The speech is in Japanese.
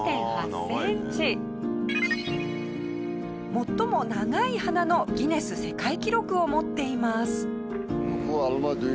最も長い鼻のギネス世界記録を持っています。